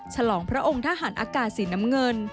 ฉลองพระองค์ทหารอากาศสีน้ำเงิน